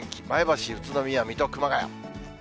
前橋、宇都宮、水戸、熊谷。